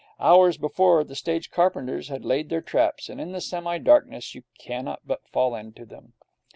Hours before, the stage carpenters have laid their traps, and in the semi darkness you cannot but fall into them.